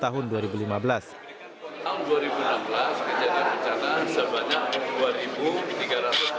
tahun dua ribu enam belas kejadian bencana sebanyak dua tiga ratus delapan puluh enam